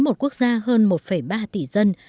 một quốc gia hơn một ba tỷ dân